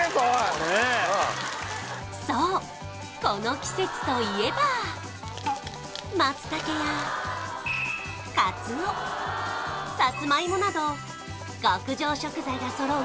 ねえそうこの季節といえば松茸や鰹サツマイモなど極上食材がそろう